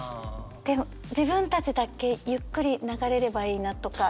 自分たちだけゆっくり流れればいいなとか。